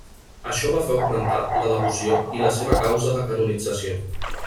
Això va fer augmentar la devoció i la seva causa de canonització.